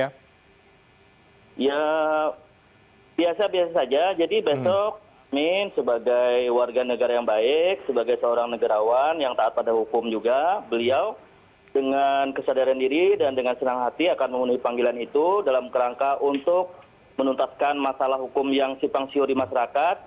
ya biasa biasa saja jadi besok amin sebagai warga negara yang baik sebagai seorang negarawan yang taat pada hukum juga beliau dengan kesadaran diri dan dengan senang hati akan mengunduhi panggilan itu dalam kerangka untuk menuntaskan masalah hukum yang sipang siur di masyarakat